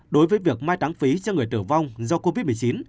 đối với việc mai tăng phí cho người tử vong do covid một mươi chín